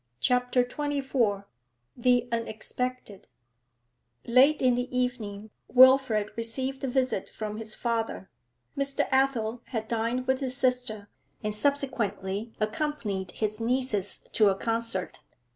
CHAPTER XXIV THE UNEXPECTED Late in the evening Wilfrid received a visit from his father. Mr. Athel had dined with his sister, and subsequently accompanied his nieces to a concert.